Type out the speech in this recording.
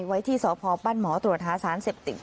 ก็พอปั้นหมอตรวจท้าสารเสพติก